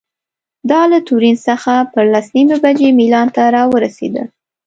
دا له تورین څخه پر لس نیمې بجې میلان ته رارسېده.